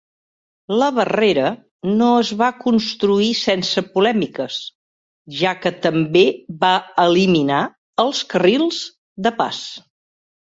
La barrera no es va construir sense polèmiques, ja que també va eliminar els carrils de pas.